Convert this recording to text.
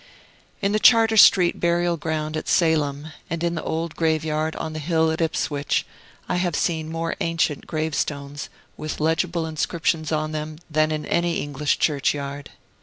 In the Charter Street burial ground at Salem, and in the old graveyard on the hill at Ipswich, I have seen more ancient gravestones, with legible inscriptions on them, than in any English churchyard.